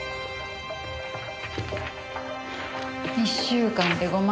１週間で５枚。